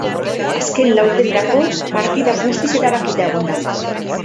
Azken laurdenerako, partida guztiz erabakita egon da.